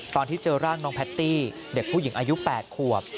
ตอนที่เจอร่างน้องแพตตี้เด็กผู้หญิงอายุ๘ขวบ